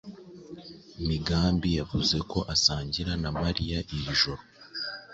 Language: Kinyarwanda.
Migambi yavuze ko asangira na Mariya iri joro.